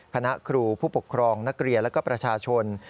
คณะครูผู้ปกครองนักเรียนและก็ประชาชน